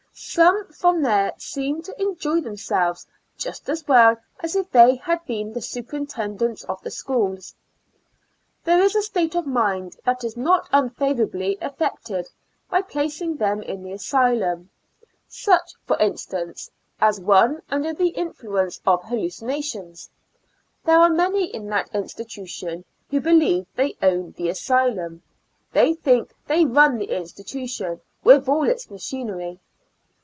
Some from there seemed to enjoy them selves just as well as if they had been the superintendents of the schools. There is a state of mind that is not unfavorably affected IN A L UNA TIC A STL U3L 141 by placing them in the asylum — such for in stance as one under the influence of hallu cinations — there are many in that institution who believe they own the asylum, they think they run the institution with all its machinery